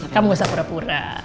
kamu gak usah pura pura